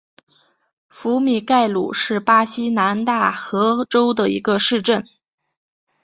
福米盖鲁是巴西南大河州的一个市镇。